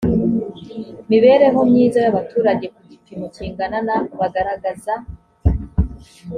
mibereho myiza y abaturage ku gipimo kingana na bagaragaza